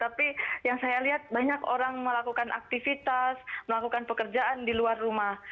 tapi yang saya lihat banyak orang melakukan aktivitas melakukan pekerjaan di luar rumah